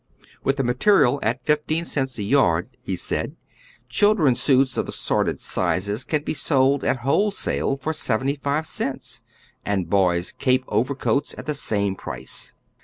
With the material at fifteen cents a yard, he said, chil dren's suits of assorted sizes can be sold at wholesale for seventy five cents, and boys' cape overcoats at the same price.